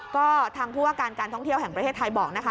ก็ทางผู้ว่าการการท่องเที่ยวแห่งประเทศไทยบอกนะคะ